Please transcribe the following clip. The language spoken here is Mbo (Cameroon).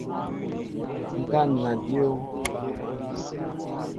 Ŋkana dyǒw.